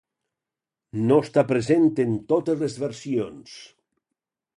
No està present en totes les versions.